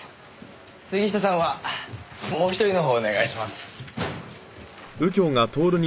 杉下さんはもう１人の方をお願いします。